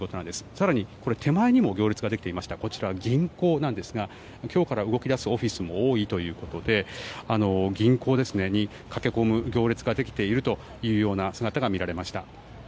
更に、手前にも行列ができていましてこちらは銀行ですが今日から動き出すオフィスも多いということで銀行に駆け込む行列ができている姿が見られました。